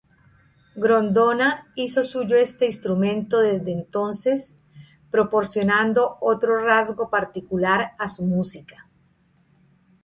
Grondona hizo suyo este instrumento desde entonces, proporcionando otro rasgo particular a su música.